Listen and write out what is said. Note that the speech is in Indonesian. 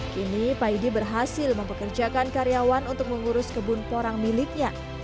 kini paidi berhasil mempekerjakan karyawan untuk mengurus kebun porang miliknya